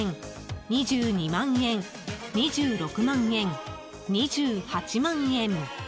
２２万円、２６万円、２８万円。